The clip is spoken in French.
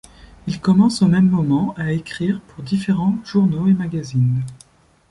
Il commence, au même moment, à écrire pour différents journaux et magazines.